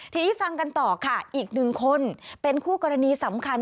ทีนี้ฟังกันต่อค่ะอีกหนึ่งคนเป็นคู่กรณีสำคัญ